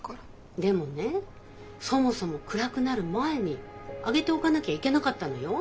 でもねそもそも暗くなる前に揚げておかなきゃいけなかったのよ。